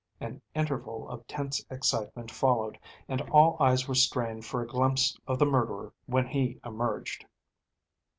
An interval of tense excitement followed, and all eyes were strained for a glimpse of the murderer when he emerged.